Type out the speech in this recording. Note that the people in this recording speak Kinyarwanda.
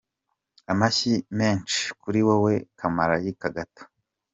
Amashyi menshi kuri wowe kamalayika gato.